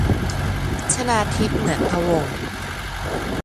ชนาธิป เหมือนพะวงศ์